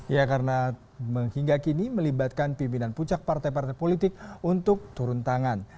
ya karena hingga kini melibatkan pimpinan pucak partai partai politik untuk turun tangan